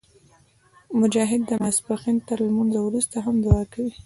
مجاهد د ماسپښین تر لمونځه وروسته هم دعا کوي.